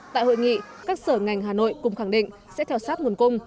tại hội nghị các sở ngành hà nội cùng khẳng định sẽ theo sát nguồn cung